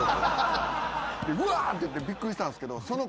で「うわあ！」って言ってびっくりしたんすけど。